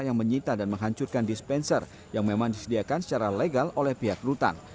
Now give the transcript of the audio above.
yang menyita dan menghancurkan dispenser yang memang disediakan secara legal oleh pihak rutan